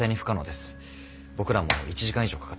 僕らも１時間以上かかってます。